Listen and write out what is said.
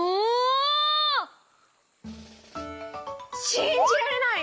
「しんじられない！